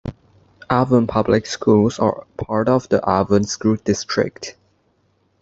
Avon Public Schools are part of the Avon School District.